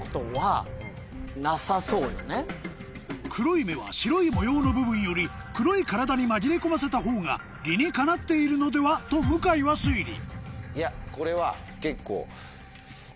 黒い目は白い模様の部分より黒い体に紛れ込ませた方が理にかなっているのではと向井は推理いやこれは結構。